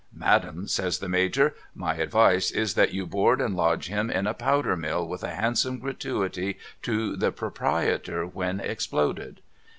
' Madam ' says the Major ' my advice is that you board and lodge him in a Powder Mill, with a handsome gratuity to the proprietor when exploded.'